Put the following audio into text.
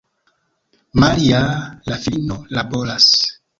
Maria, la filino, laboras.